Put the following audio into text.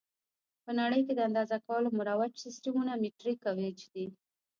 په نړۍ کې د اندازه کولو مروج سیسټمونه مټریک او ایچ دي.